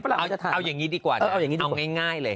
ฝรั่งจะถ่ายเอาอย่างงี้ดีกว่าเออเอาอย่างงี้ดีกว่าเอาง่ายง่ายเลย